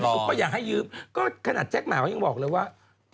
ซุปก็อยากให้ยืมก็ขนาดแจ็คหมาก็ยังบอกเลยว่า